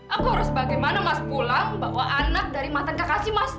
aku harus bagaimana mas pulang bawa anak dari mantan kekasih mas